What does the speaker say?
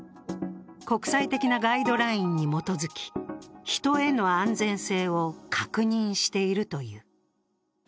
国際的なガイドラインに基づき、人への安全性を確認しているという。